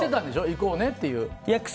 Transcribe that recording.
行こうねっていう。